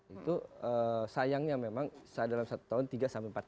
itu sayangnya memang dalam satu tahun tiga sampai empat kali binduk itu